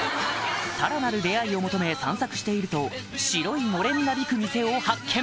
さらなる出会いを求め散策していると白いのれんなびく店を発見